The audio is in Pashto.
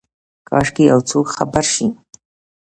کاشکي یوڅوک خبر شي،